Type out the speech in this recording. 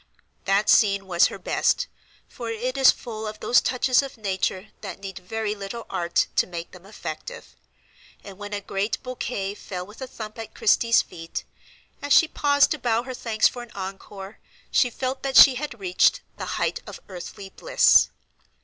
That scene was her best, for it is full of those touches of nature that need very little art to make them effective; and when a great bouquet fell with a thump at Christie's feet, as she paused to bow her thanks for an encore, she felt that she had reached the height of earthly bliss.